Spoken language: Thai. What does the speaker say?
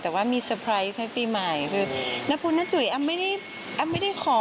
แต่ว่ามีสเตอร์ไพรส์ให้ปีใหม่